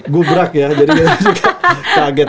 gubrak ya jadi kita juga kaget